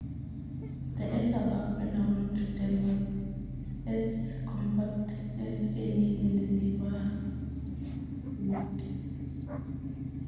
The earth above and around them was as compact as any in the neighborhood.